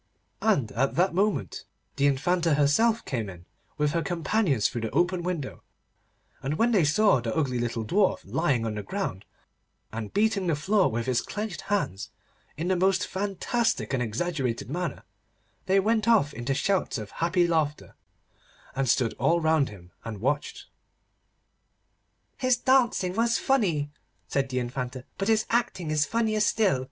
And at that moment the Infanta herself came in with her companions through the open window, and when they saw the ugly little dwarf lying on the ground and beating the floor with his clenched hands, in the most fantastic and exaggerated manner, they went off into shouts of happy laughter, and stood all round him and watched him. 'His dancing was funny,' said the Infanta; 'but his acting is funnier still.